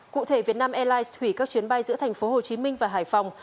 cụ thể việt nam airlines thủy các chuyến bay giữa thành phố hồ chí minh và hải phòng